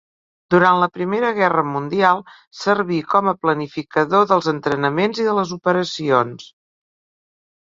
Durant la Primera Guerra Mundial serví com a planificador dels entrenaments i de les operacions.